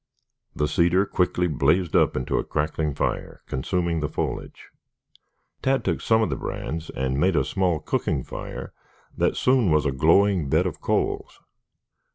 The cedar quickly blazed up into a crackling fire, consuming the foliage. Tad took some of the brands and made a small cooking fire that soon was a glowing bed of coals.